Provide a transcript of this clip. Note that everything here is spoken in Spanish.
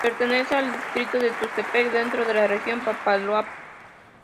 Pertenece al distrito de Tuxtepec, dentro de la región Papaloapan.